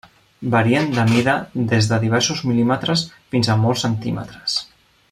Varien de mida des de diversos mil·límetres fins a molts centímetres.